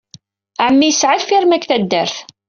Ɛemmi yesɛa lfirma deg taddart.